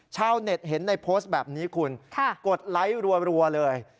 ชาวเน็ตเห็นในโพสต์แบบนี้คุณกดไลค์รัวเลย